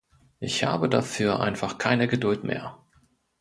Ich habe dafür einfach keine Geduld mehr.